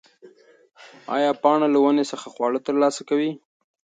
ایا پاڼه له ونې څخه خواړه ترلاسه کوي؟